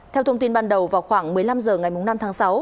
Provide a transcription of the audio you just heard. theo thông tin ban đầu vào khoảng một mươi năm h ngày năm tháng sáu